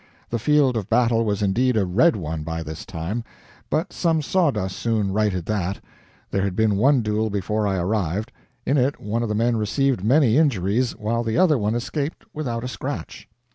The field of battle was indeed a red one by this time; but some sawdust soon righted that. There had been one duel before I arrived. In it one of the men received many injuries, while the other one escaped without a scratch.